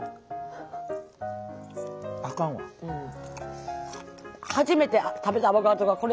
あかんわ。